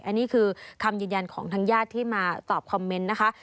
อันนี้คือคำยืนยันของทางญาติที่มาตอบคอมเมนต์นะคะ